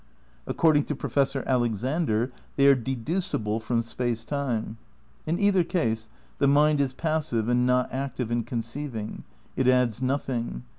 According to Professor Alexander they are dedudble from space time. In either case the mind is passive and not active in conceiving; it adds nothing.